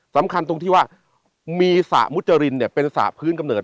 สำคัญตรงที่ว่ามีสระมุจรินเนี่ยเป็นสระพื้นกำเนิ